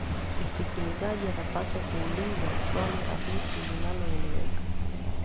msikilizaji anapaswa kuuliza swali rahisi linaloeleweka